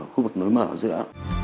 khu vực nối mở ở giữa